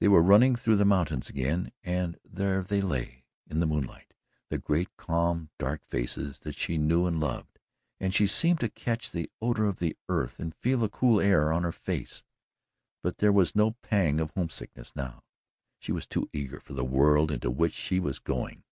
They were running through mountains again and there they lay in the moonlight, the great calm dark faces that she knew and loved, and she seemed to catch the odour of the earth and feel the cool air on her face, but there was no pang of homesickness now she was too eager for the world into which she was going.